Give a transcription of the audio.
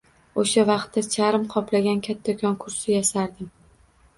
O`sha vaqtda charm qoplangan kattakon kursi yasardim